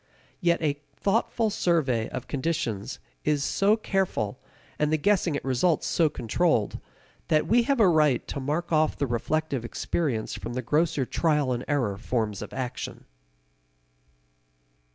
Yet a thoughtful survey of conditions is so careful, and the guessing at results so controlled, that we have a right to mark off the reflective experience from the grosser trial and error forms of action.